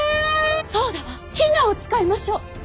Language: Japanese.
そうだわ比奈を使いましょう。